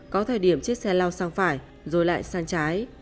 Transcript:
có thời điểm chiếc xe lao sang phải rồi lại sang trái